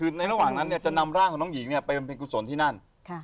ในระหว่างนั้นนำร่างของหนูใหญ่ไปเป็นกุศลที่นั่น